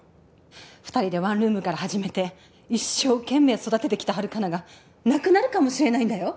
二人でワンルームから始めて一生懸命育ててきたハルカナがなくなるかもしれないんだよ